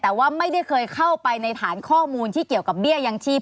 แต่ว่าไม่ได้เคยเข้าไปในฐานข้อมูลที่เกี่ยวกับเบี้ยยังชีพ